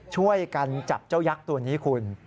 ช่วยกันจับเจ้ายักษ์ตัวนี้คุณ